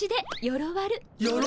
よろわる？